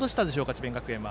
智弁学園は。